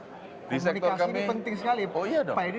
komunikasi ini penting sekali pak edi